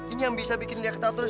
ini yang bisa bikin dia ketawa terus